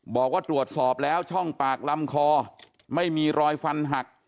บอกว่าตรวจสอบแล้วช่องปากลำคอไม่มีรอยฟันหัก